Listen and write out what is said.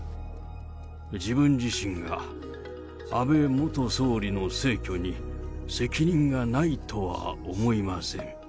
自分自身が安倍元総理の逝去に責任がないとは思いません。